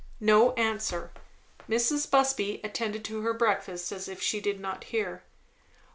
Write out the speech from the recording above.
No answer. Mrs. Busby attended to her breakfast as if she did not hear.